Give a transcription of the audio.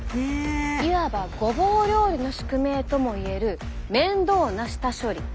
いわばごぼう料理の宿命ともいえる面倒な下処理。